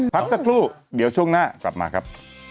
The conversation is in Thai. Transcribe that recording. พักสักครู่เดี๋ยวช่วงหน้ากลับมาครับ